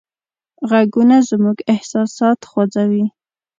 غږونه زموږ احساسات خوځوي.